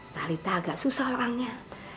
talitha agak susah orangnya